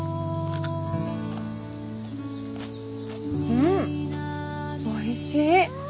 うんおいしい！